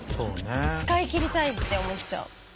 使い切りたいって思っちゃう。